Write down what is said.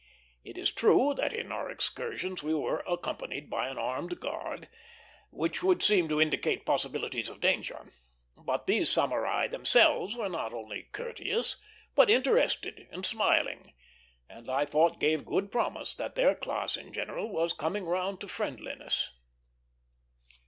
It is true that in our excursions we were accompanied by an armed guard, which would seem to indicate possibilities of danger; but these samurai themselves were not only courteous, but interested and smiling, and I thought gave good promise that their class in general was coming round to friendliness.